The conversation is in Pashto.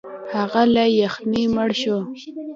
هغه له یخنۍ مړ شو.